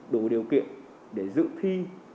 đủ điều kiện để dự thi